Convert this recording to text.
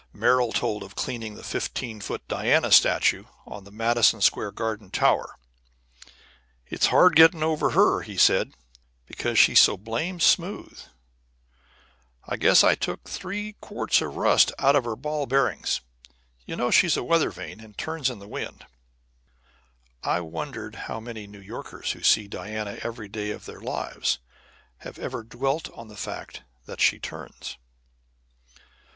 Merrill told of cleaning the fifteen foot Diana statue on the Madison Square Garden tower. "It's hard getting over her," he said, "because she's so blamed smooth. I guess I took three quarts of rust out of her ball bearings. You know she's a weather vane, and turns with the wind." I wondered how many New Yorkers who see the Diana every day of their lives have ever dwelt on the fact that she turns.